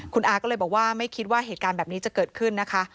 คุณอาก็เลยบอกว่าไม่คิดว่าเหตุการณ์แบบนี้จะเกิดขึ้นนะคะ